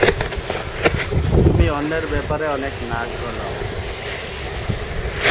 তুমি অন্যের ব্যাপারে অনেক নাক গলাও।